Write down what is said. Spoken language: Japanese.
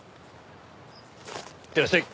いってらっしゃい！